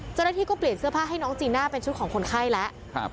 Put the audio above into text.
เจ้าหน้าที่ก็เปลี่ยนเสื้อผ้าให้น้องจีน่าเป็นชุดของคนไข้แล้ว